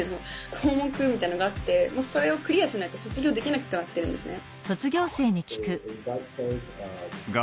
項目みたいのがあってそれをクリアしないと卒業できなくなってるんですね。